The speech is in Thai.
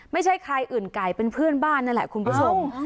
ไม่ใช่ใครอื่นไก่เป็นเพื่อนบ้านนั่นแหละคุณผู้ชม